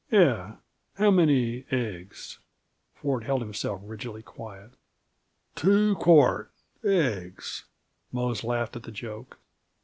"Yes how many eggs?" Ford held himself rigidly quiet. "Two quart aigs!" Mose laughed at the joke.